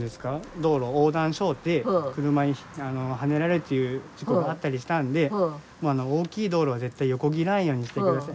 道路横断しょうて車にはねられるという事故があったりしたんで大きい道路は絶対横切らんようにしてください。